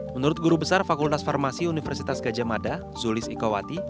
menurut guru besar fakultas farmasi universitas gajah mada zulis ikawati